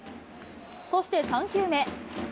そして３球目。